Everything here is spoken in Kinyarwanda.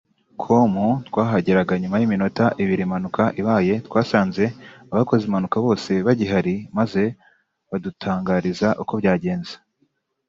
com twahageraga nyuma y’iminota ibiri impanuka ibaye twasanze abakoze impanuka bose bagihari maze badutangariza uko byagenze